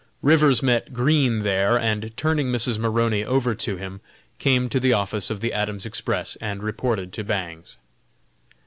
Rivers met Green here, and turning Mrs. Maroney over to him, came to the office of the Adams Express and reported to Bangs.